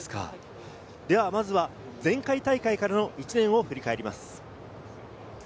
では、まずは前回大会からの１年を振り返ります。